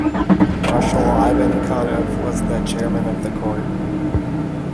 Marshal Ivan Konev was the chairman of the court.